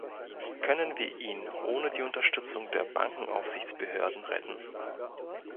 Können wir ihn ohne die Unterstützung der Bankenaufsichtsbehörden retten?